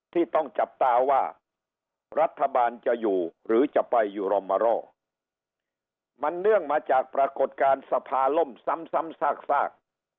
ที่ต้องจับตาว่ารัฐบาลจะอยู่หรือจะไปอยู่รอมารอมันเนื่องมาจากปรากฏการณ์สภาล่มซ้ำซาก